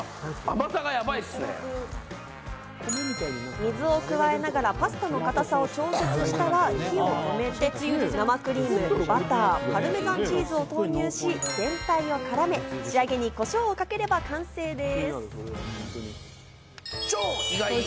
水を加えながらパスタの硬さを調節したら火を止めて生クリーム、バター、パルメザンチーズを投入し、全体を絡め、仕上げにコショウをかけたら完成です。